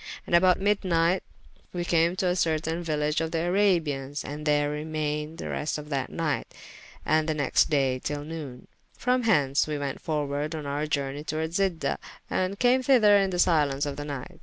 And about myd nyght we came to a certayne village of the Arabians, and there remayned the rest of that nyght, and the next day tyll noone. From hence we went forwarde on our journey toward Zida, and came thyther in the silence of the nyght.